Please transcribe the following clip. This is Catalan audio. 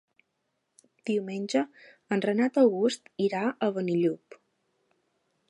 Diumenge en Renat August irà a Benillup.